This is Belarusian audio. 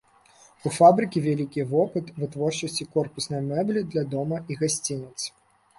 У фабрыкі вялікі вопыт вытворчасці корпуснай мэблі для дома і гасцініц.